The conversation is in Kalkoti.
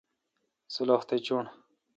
سلُخ تہ چُݨ۔